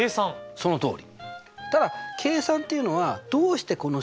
そのとおり！